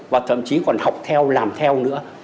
và thậm chí còn học theo làm theo nữa